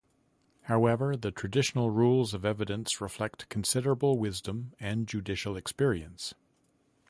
However, the traditional rules of evidence reflect considerable wisdom and judicial experience.